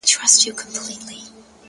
• یوه ورځ چي سوه تیاره وخت د ماښام سو,